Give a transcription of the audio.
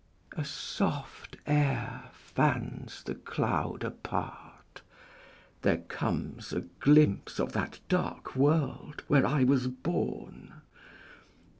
A soft air fans the cloud apart; there comes A glimpse of that dark world where I was born.